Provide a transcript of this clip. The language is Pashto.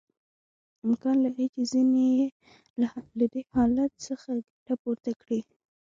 امکان لري چې ځینې یې له دې حالت څخه ګټه پورته کړي